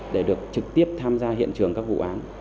để được trực tiếp tham gia hiện trường các vụ án